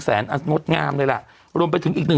สวัสดีครับคุณผู้ชม